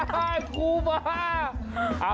เฮ้ยครูปะ